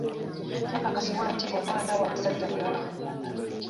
Kyakakasibwa nti omwana wa musajja mulala.